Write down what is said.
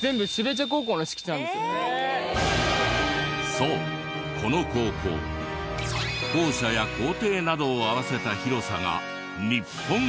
そうこの高校校舎や校庭などを合わせた広さが日本一！